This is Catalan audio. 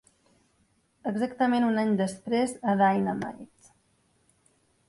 Exactament un any després, a Dynamite!